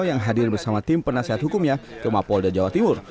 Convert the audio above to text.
yang hadir bersama tim penasehat hukumnya ke mapolda jawa timur